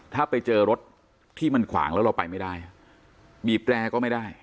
ถ้าไปเจอรถที่มันขวางแล้วเราไปไม่ได้บีบแรร์ก็ไม่ได้